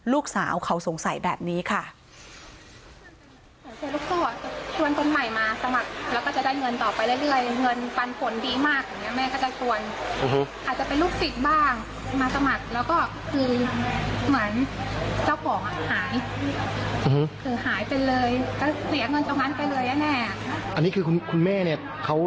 ลูกสาวเขาสงสัยแบบนี้ค่ะ